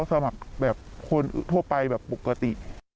สมัครก็คนทั่วไปปกติ